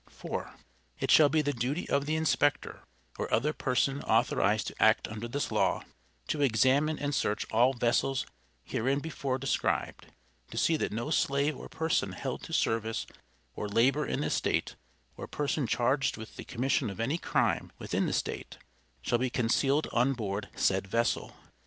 (4.) It shall be the duty of the inspector, or other person authorized to act under this law, to examine and search all vessels hereinbefore described, to see that no slave or person held to service or labor in this State, or person charged with the commission of any crime within the State, shall be concealed on board said vessel.